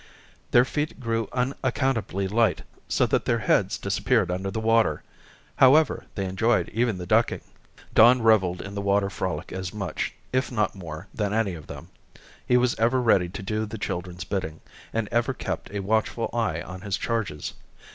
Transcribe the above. Their feet grew unaccountably light so that their heads disappeared under the water. However, they enjoyed even the ducking. Don reveled in the water frolic as much, if not more, than any of them. He was ever ready to do the children's bidding, and ever kept a watchful eye on his charges.